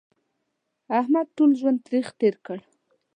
احمد ټول ژوند تریخ تېر کړ